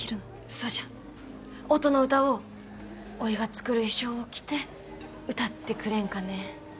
そうじゃ音の歌をおいが作る衣装を着て歌ってくれんかね？